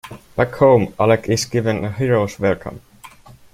Back home, Alec is given a hero's welcome.